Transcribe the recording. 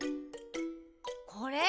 これ？